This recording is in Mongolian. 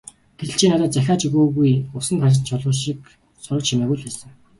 Гэтэл чи надад захиа ч өгөөгүй, усанд хаясан чулуу шиг сураг чимээгүй л байсан.